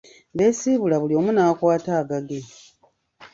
Beesiibula, buli omu n'akwata agage.